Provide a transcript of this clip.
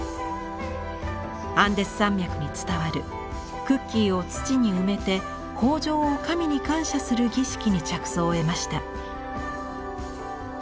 アンデス山脈に伝わるクッキーを土に埋めて豊じょうを神に感謝する儀式に着想を得ました。